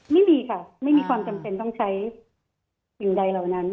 ไม่มีค่ะไม่มีความจำเป็นต้องใช้สิ่งใดเหล่านั้น